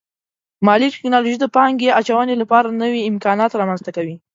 مالي ټکنالوژي د پانګې اچونې لپاره نوي امکانات رامنځته کوي.